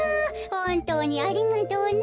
ほんとうにありがとうね。